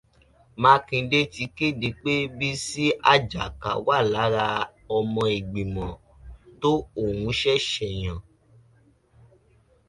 Mákindé ti kéde pé Bisí Àjàká wà lára ọmọ ìgbìmọ̀ tó òun ṣẹ̀ṣẹ̀ yàn.